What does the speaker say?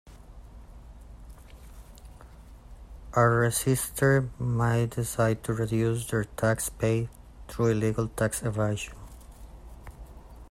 A resister may decide to reduce their tax paid through illegal tax evasion.